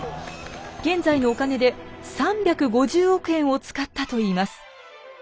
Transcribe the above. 現在のお金で３５０億円を使ったといいます。